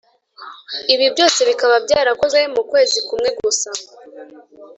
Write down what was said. ibi byose bikaba byarakozwe mu kwezi kumwe gusa.